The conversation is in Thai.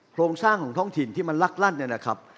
โครงสร้างของท้องถิ่นที่มันลักลั่นเนี่ยนะครับ